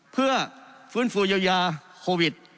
เพื่อฟื้นฟูเยียวยาโควิด